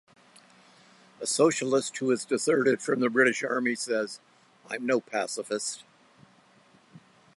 A socialist who has deserted from the British army says, I'm no pacifist.